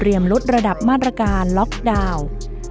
เตรียมลดระดับมาตรการล็อคดาวน์